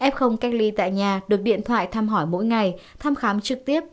f cách ly tại nhà được điện thoại thăm hỏi mỗi ngày thăm khám trực tiếp